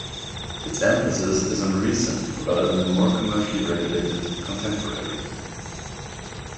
Its emphasis is on recent rather than the more commercially regulated 'contemporary'.